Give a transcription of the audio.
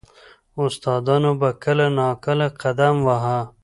• استادانو به کله نا کله قدم واهه.